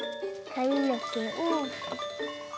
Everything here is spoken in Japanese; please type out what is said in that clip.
かみのけ。